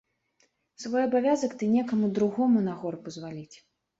Свой абавязак ды некаму другому на горб узваліць.